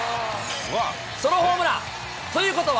ソロホームラン、ということは？